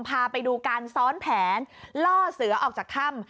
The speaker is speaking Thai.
พาไปดูการซ้อนแผนล่อเสือออกจากถ้ำ